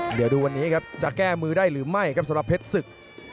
เดี๋ยวดูวันนี้ครับจะแก้มือได้หรือไม่ครับสำหรับเพชรศึก